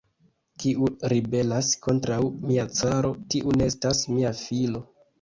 Kiu ribelas kontraŭ mia caro, tiu ne estas mia filo.